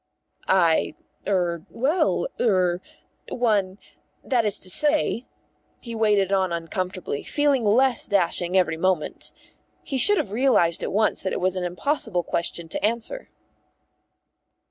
"I er well er one that is to say." He waded on uncomfortably, feeling less dashing every moment. He should have realised at once that it was an impossible question to answer.